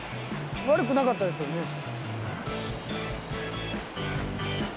悪くなかったですよね。